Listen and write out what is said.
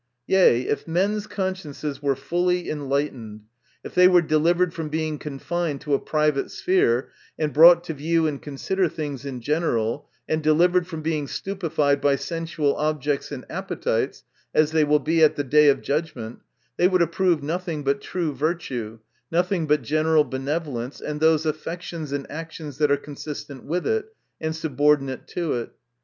Yea, if men's consciences were fully enlightened, if they were delivered from being confined to a private sphere, and brought to view and consider things in general, and delivered from being stupified by sensual objects and appetites, as they will be at the day of judg ment, they would approve nothing but true virtue, nothing but general benevo lence, and those affections and actions that are consistent with it, and subordinate to it.